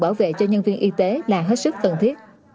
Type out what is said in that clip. bảo vệ cho nhân viên y tế là hết sức cần thiết